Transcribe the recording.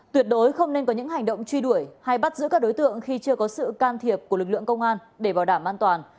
tuyệt đối không nên có những hành động truy đuổi hay bắt giữ các đối tượng khi chưa có sự can thiệp của lực lượng công an để bảo đảm an toàn